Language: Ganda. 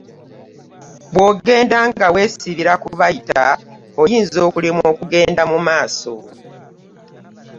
Bw'ogenda nga weesibira ku byayita oyinza okulemwa okugenda mu maaso.